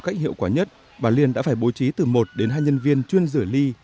cách hiệu quả nhất bà liên đã phải bố trí từ một đến hai nhân viên chuyên rửa ly